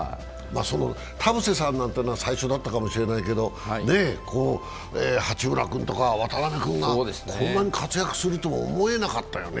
田臥さんなんて最初だったかもしれないけど八村君とか渡邊君がこんなに活躍するとは思えなかったよね。